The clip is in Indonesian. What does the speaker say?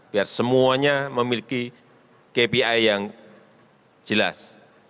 biar semuanya memiliki kpi yang jelas